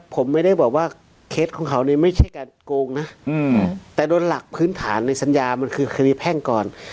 ผมไม่ได้บอกว่าเคสของเขาเนี่ยไม่ใช่การโกงนะแต่โดยหลักพื้นฐานในสัญญามันคือคดีแพ่งก่อน